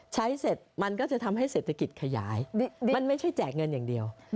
เสร็จมันก็จะทำให้เศรษฐกิจขยายมันไม่ใช่แจกเงินอย่างเดียว